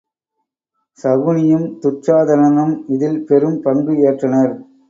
சகுனியும் துச்சாதனனும் இதில் பெரும் பங்கு ஏற்றனர்.